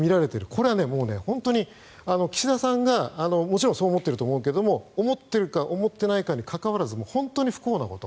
これは本当に岸田さんがもちろんそう思ってると思うけど思っているか思っていないかにかかわらずもう本当に不幸なこと。